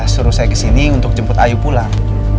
suruh saya kesini untuk jemput ayu pulang